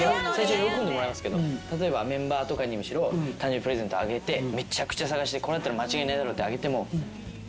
喜んでもらえますけど例えばメンバーとかに誕生日プレゼントあげてめちゃくちゃ探してこれだったら間違いないだろうってあげても。